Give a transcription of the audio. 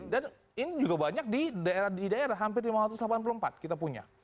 dan ini juga banyak di daerah daerah hampir lima ratus delapan puluh empat kita punya